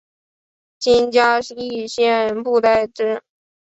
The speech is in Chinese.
今嘉义县布袋镇。